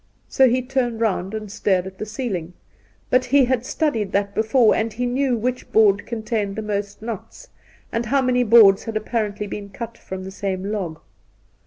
So he turned round and stared at the ceiling; but he had studied that before, and he knew which board contained the most knots, and how many boards had apparently been cut from the same log.